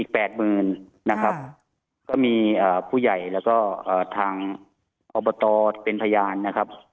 แปดหมื่นนะครับก็มีอ่าผู้ใหญ่แล้วก็เอ่อทางอบตเป็นพยานนะครับ